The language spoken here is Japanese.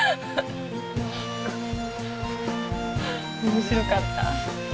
面白かった。